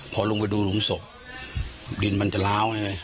พอลุงไปดูลุงสกดินมันจะล้าวนี่